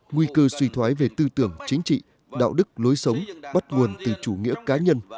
nguy cơ suy thoái về tư tưởng chính trị đạo đức lối sống bắt nguồn từ chủ nghĩa cá nhân